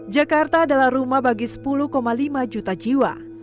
jakarta adalah rumah bagi sepuluh lima juta jiwa